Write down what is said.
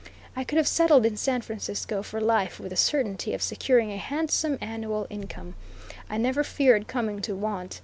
I could have settled in San Francisco for life with the certainty of securing a handsome annual income. I never feared coming to want.